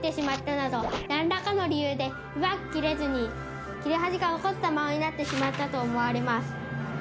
なんらかの理由でうまく切れずに切れ端が残ったままになってしまったと思われます。